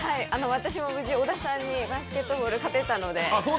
私も無事、小田さんにバスケットボール勝てたので。